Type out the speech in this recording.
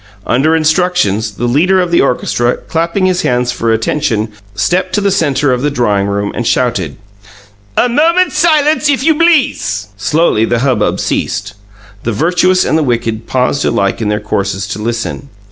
Under instructions, the leader of the orchestra, clapping his hands for attention, stepped to the centre of the drawing room, and shouted, "A moment silence, if you bleace!" Slowly the hubbub ceased; the virtuous and the wicked paused alike in their courses to listen.